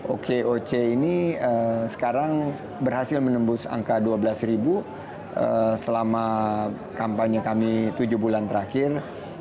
okoc ini sekarang berhasil menembus angka dua belas ribu selama kampanye kami tujuh bulan terakhir